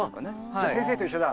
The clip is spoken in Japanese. じゃあ先生と一緒だ。